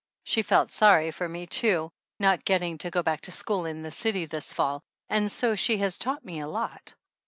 She felt sorry for me, too, not getting to go back to school in the city this fall, and so she has taught me a lot.